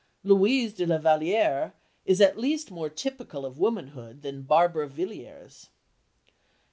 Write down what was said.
Louise de la Vallière is at least more typical of womanhood than Barbara Villiers.